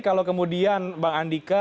kalau kemudian bang andika